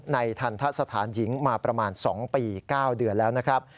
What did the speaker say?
ทันทะสถานหญิงมาประมาณ๒ปี๙เดือนแล้วนะครับ